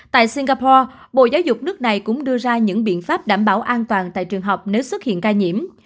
tại singapore bộ giáo dục nước này cũng đưa ra những biện pháp đảm bảo an toàn tại trường học nếu xuất hiện ca nhiễm